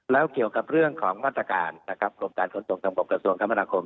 แล้วเกี่ยวกับเรื่องของมาตรการกรมการขนส่งจังบบกระทรวงคมธรรมดาคม